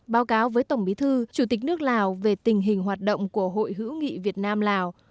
báo cáo với tổng bí thư chủ tịch nước lào về tình hình hoạt động của hội hữu nghị việt nam lào